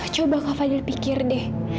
coba kak fadil pikir deh